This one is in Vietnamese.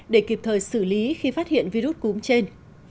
để kịp thời xử lý khi phát hiện virus cúm trên